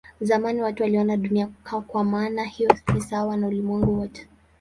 Zamani watu waliona Dunia kwa maana hiyo ni sawa na ulimwengu wote.